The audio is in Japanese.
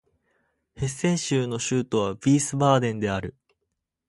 ヘッセン州の州都はヴィースバーデンである